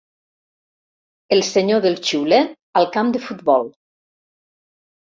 El senyor del xiulet al camp de futbol.